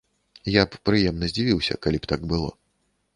Я б прыемна здзівіўся, калі б так было.